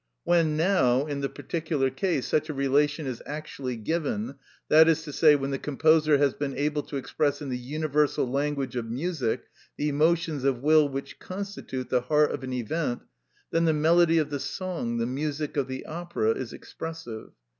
When now, in the particular case, such a relation is actually given, that is to say, when the composer has been able to express in the universal language of music the emotions of will which constitute the heart of an event, then the melody of the song, the music of the opera, is expressive.